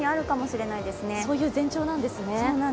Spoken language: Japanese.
そういう前兆なんですね。